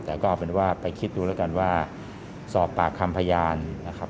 แต่ก็เอาเป็นว่าไปคิดดูแล้วกันว่าสอบปากคำพยานนะครับ